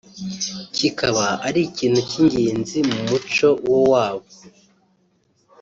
kikaba ari ikintu cy’ingenzi mu muco wo wabo